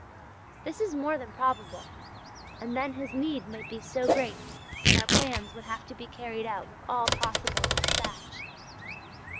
This is more than probable, and then his need might be so great, that our plans would have to be carried out with all possible dispatch.